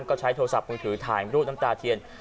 แล้วก็ใช้โทรศัพท์ของถือถ่ายรูปน้ำตาเพลง